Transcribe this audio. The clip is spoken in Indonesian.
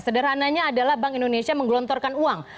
sederhananya adalah bank indonesia menggelontorkan uang